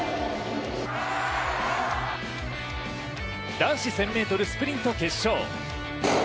男子１０００ｍスプリント決勝。